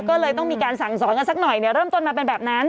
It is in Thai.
ก็เลยต้องมีการสั่งสอนกันสักหน่อยเนี่ยเริ่มต้นมาเป็นแบบนั้น